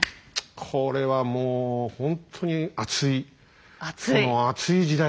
これはもうほんとに熱いこの熱い時代だよね。